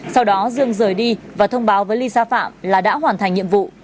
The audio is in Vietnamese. sau đó dương rời đi và thông báo với lisa phạm là đã hoàn thành nhiệm vụ